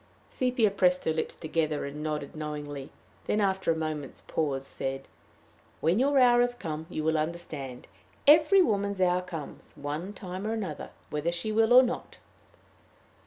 Sepia pressed her lips together, and nodded knowingly; then, after a moment's pause, said: "When your hour is come, you will understand. Every woman's hour comes, one time or another whether she will or not."